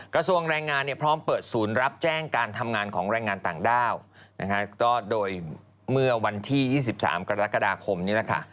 กระทรวงแรงงานเนี่ยพร้อมเปิดศูนย์รับแจ้งการทำงานของแรงงานต่างด้าวนะคะก็โดยเมื่อวันที่๒๓กรกฎาคมนี้แหละค่ะ